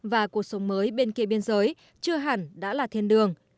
và cuộc sống mới bên kia biên giới chưa hẳn đã là thiên đường